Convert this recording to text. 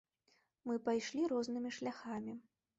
Мы пайшлі рознымі шляхамі.